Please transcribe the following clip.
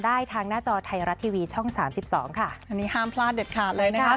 อันนี้ห้ามพลาดเด็ดขาดเลยนะคะ